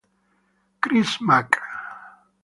Chris Mack